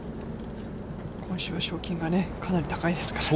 今週は賞金がかなり高いですからね。